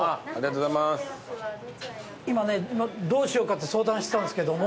今ねどうしようかって相談してたんですけども。